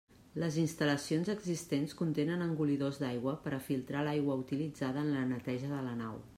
Les instal·lacions existents contenen engolidors d'aigua per a filtrar l'aigua utilitzada en la neteja de la nau.